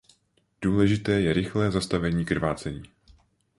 Důležité je rychlé zastavení krvácení.